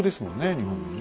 日本のね。